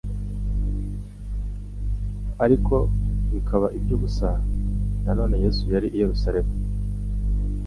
ariko bikaba iby'ubusa. Na none Yesu yari i Yerusalemu.